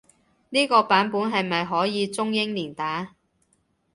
呢個版本係咪可以中英連打？